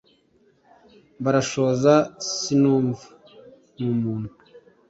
barashoza sinumva n’umuntu